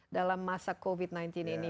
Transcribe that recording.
dalam masa covid sembilan belas ini